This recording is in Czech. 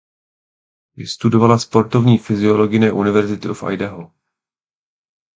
Vystudovala sportovní fyziologii na University of Idaho.